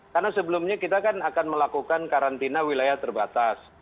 karena sebelumnya kita kan akan melakukan karantina wilayah terbatas